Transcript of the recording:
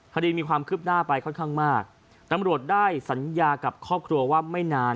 คดีมีความคืบหน้าไปค่อนข้างมากตำรวจได้สัญญากับครอบครัวว่าไม่นาน